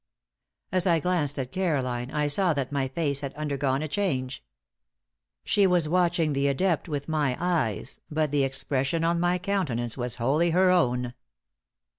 As I glanced at Caroline, I saw that my face had undergone a change. She was watching the adept with my eyes, but the expression on my countenance was wholly her own.